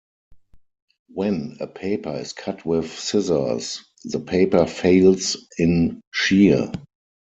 When a paper is cut with scissors, the paper fails in shear.